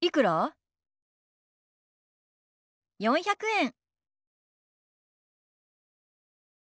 ４００円。